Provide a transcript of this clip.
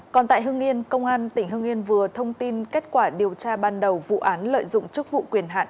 còn tại hưng yên công an tỉnh hưng yên vừa thông tin kết quả điều tra ban đầu vụ án lợi dụng chức vụ quyền hạn